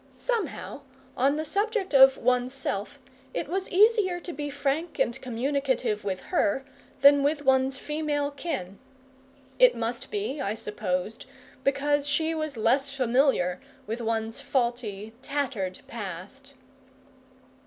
Somehow, on the subject of one's self it was easier to be frank and communicative with her than with one's female kin. It must be, I supposed, because she was less familiar with one's faulty, tattered past.